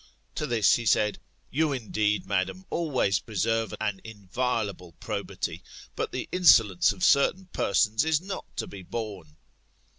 To this, he said, You, indeed, madam, always preserve an inviolable probity; but the insolence of certain persons is not to be borne.